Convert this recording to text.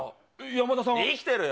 生きてるよ。